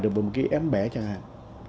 rồi một cái em bé chẳng hạn